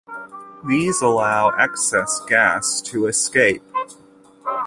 These allow the excess gas to escape.